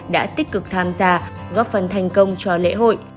đã tích cực tham gia góp phần thành công cho lễ hội